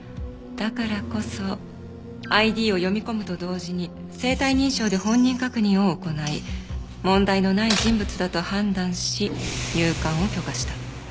だからこそＩＤを読み込むと同時に生体認証で本人確認を行い問題のない人物だと判断し入館を許可した。